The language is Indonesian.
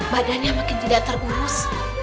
badannya makin tidak terurus